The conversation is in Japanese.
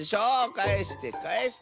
かえしてかえして！